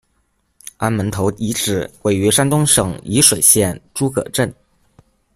安门头遗址，位于山东省沂水县诸葛镇。